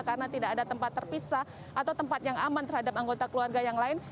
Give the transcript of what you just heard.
karena tidak ada tempat terpisah atau tempat yang aman terhadap anggota keluarga yang lain